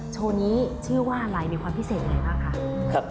โชว์นี้ชื่อว่าอะไรมีความพิเศษแน่ค่ะ